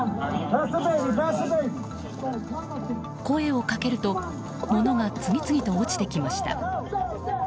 声をかけると物が次々と落ちてきました。